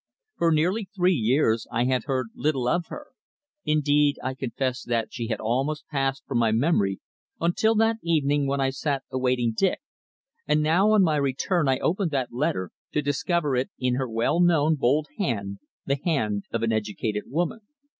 For nearly three years I had heard little of her; indeed, I confess that she had almost passed from my memory until that evening when I had sat awaiting Dick, and now on my return I opened that letter to discover it in her well known, bold hand the hand of an educated woman.